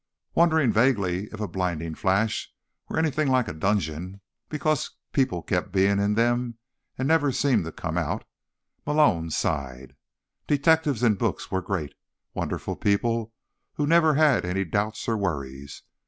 Wondering vaguely if a blinding flash were anything like a dungeon, because people kept being in them and never seemed to come out, Malone sighed. Detectives in books were great, wonderful people who never had any doubts or worries.